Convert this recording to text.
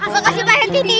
terima kasih pak helo kiti